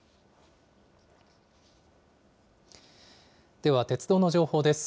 では、鉄道の情報です。